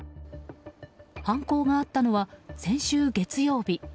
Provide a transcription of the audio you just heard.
犯行があったのは先週月曜日。